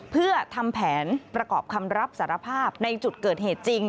เพื่อทำแผนประกอบคำรับสารภาพในจุดเกิดเหตุจริง